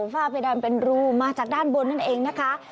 ฝ้าเพดานเป็นรูมาจากด้านบนนั่นเองนะคะ